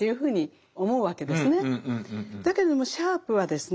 だけどもシャープはですね